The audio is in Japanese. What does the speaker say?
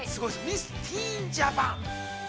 ミス・ティーン・ジャパン。